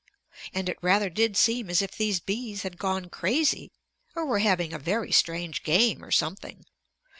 And it rather did seem as if these bees had gone crazy, or were having a very strange game, or something.